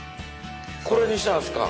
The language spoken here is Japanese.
これにしたんですか？